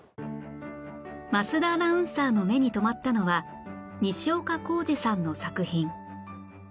桝田アナウンサーの目に留まったのは西岡弘治さんの作品